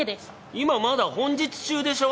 今まだ本日中でしょ？